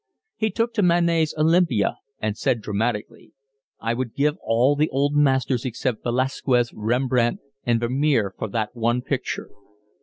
He took him to Manet's Olympia and said dramatically: "I would give all the old masters except Velasquez, Rembrandt, and Vermeer for that one picture."